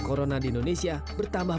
corona di indonesia bertambah